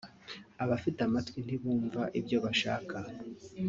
abafite amatwi ntibumva ibyo bashaka